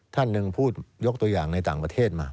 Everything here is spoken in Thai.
ท่านหนึ่งพูดยกตัวอย่างในต่างประเทศมา